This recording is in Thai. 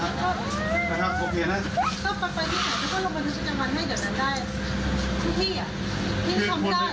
ก็ปรับไปที่ไหนแล้วก็ลงไปที่จังหวันให้เดี๋ยวนั้นได้